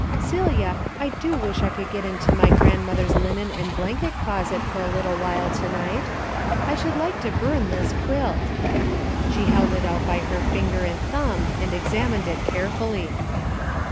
Celia, I do wish I could get into my grandmother's linen and blanket closet for a little while to night. I should like to burn this quilt." She held it out by her finger and thumb and examined it carefully.